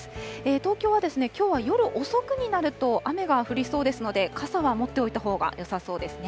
東京はきょうは夜遅くになると、雨が降りそうですので、傘は持っておいたほうがよさそうですね。